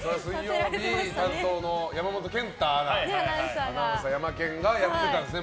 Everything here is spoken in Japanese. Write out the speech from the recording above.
水曜日担当の山本賢太アナヤマケンがやってたんですね。